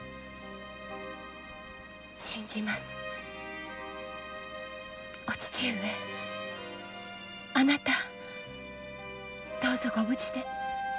信じますお父上あなたどうぞご無事で。